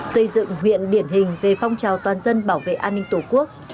xây dựng huyện điển hình về phong trào toàn dân bảo vệ an ninh tổ quốc